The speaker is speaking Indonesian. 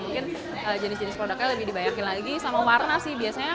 mungkin jenis jenis produknya lebih dibayarin lagi sama warna sih biasanya